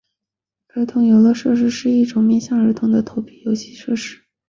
儿童游乐设施是一种面向儿童的投币游乐设施。